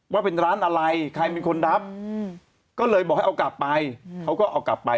ว่าเป็นร้านอะไรใครเป็นคนรับก็เลยบอกให้เอากลับไปเขาก็เอากลับไป